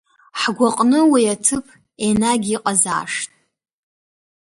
Ҳгәы аҟны уи иҭыԥ енагь иҟазаашт…